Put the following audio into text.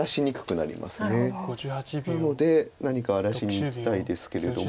なので何か荒らしにいきたいですけれども。